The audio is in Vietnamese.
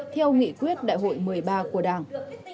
theo nghị quyết đại hội một mươi ba của đảng